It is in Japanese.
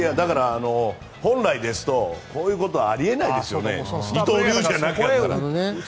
本来ですと、こういうことありえないですよ。